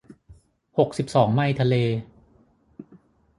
หกสิบสองไมล์ทะเล